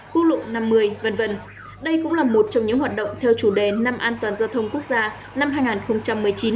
quốc lộ năm mươi v v đây cũng là một trong những hoạt động theo chủ đề năm an toàn giao thông quốc gia năm hai nghìn một mươi chín